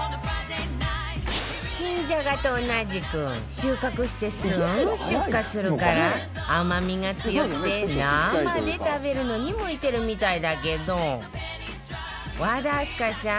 新じゃがと同じく収穫してすぐ出荷するから甘みが強くて生で食べるのに向いてるみたいだけど和田明日香さん